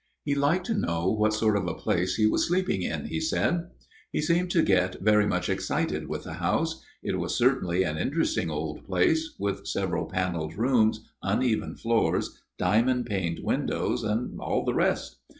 He liked to know what sort of a place he was sleeping in, he said. He seemed to get very much excited with the house : it was certainly an interesting old place, with several panelled rooms, uneven floors, diamond paned windows, and all the rest.